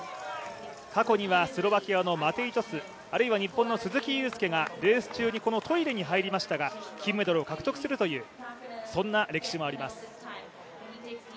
過去にはスロバキアのマテイ・トスあるいは日本の鈴木雄介がレース中にこのトイレに入りましたが金メダルを獲得するというそんな歴史もあります。